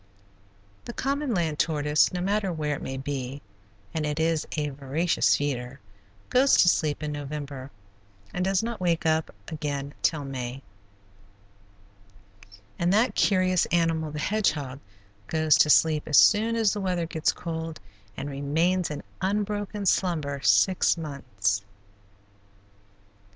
The common land tortoise, no matter where it may be, and it is a voracious feeder, goes to sleep in November and does not wake up again till May, and that curious animal, the hedgehog, goes to sleep as soon as the weather gets cold and remains in unbroken slumber six months.